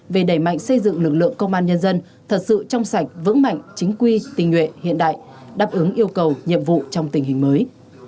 về đẩy mạnh xây dựng lực lượng công an nhân dân thật sự trong sạch vững mạnh chính quy tình nguyện hiện đại đáp ứng yêu cầu nhiệm vụ trong tình hình mới